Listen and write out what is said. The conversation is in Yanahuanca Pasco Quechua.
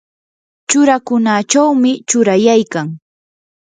churakunachawmi churayaykan.